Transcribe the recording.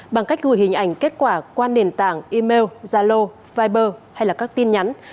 bằng cách gửi hình ảnh kết quả qua nền tảng email gia lô viber hay các tin nhắn